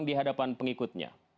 di hadapan pengikutnya